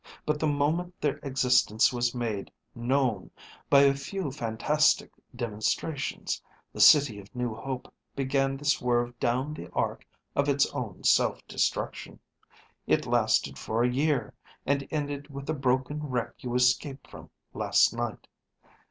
But the moment their existence was made known by a few fantastic demonstrations, the City of New Hope began the swerve down the arc of its own self destruction. It lasted for a year, and ended with the broken wreck you escaped from last night.